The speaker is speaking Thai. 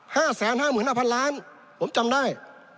ห้าแสนห้าหมื่นห้าพันล้านผมจำได้